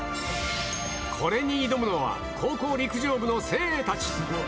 これに挑むのは、高校陸上部の精鋭たち。